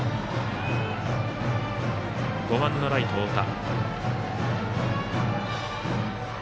５番のライト、太田。